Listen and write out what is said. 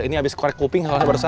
ini abis korek kuping salah barusan